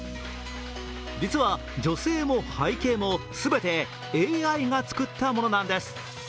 実は、女性も背景も全てＡＩが作ったものなんです。